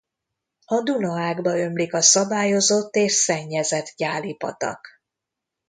A Duna-ágba ömlik a szabályozott és szennyezett Gyáli-patak.